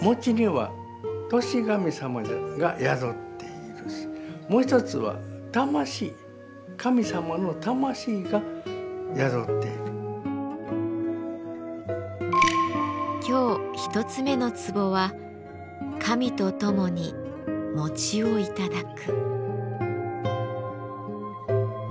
これはもう一つは魂今日１つ目の壺は「神とともに餅をいただく」。